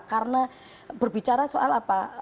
karena berbicara soal apa